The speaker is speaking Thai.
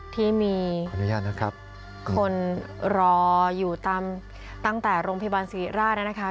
ที่มีคนรออยู่ตั้งแต่โรงพยาบาลสิริราชนะฮะ